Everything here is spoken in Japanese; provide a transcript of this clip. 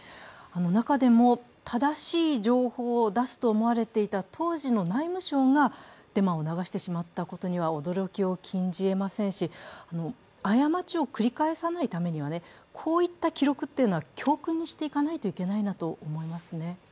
中でも正しい情報を出すと思われていた当時の内務省がデマを流してしまったことには驚きを禁じえませんし、過ちを繰り返さないためにはこういった記録というのは教訓にしていかなきゃいけないなと思いますね。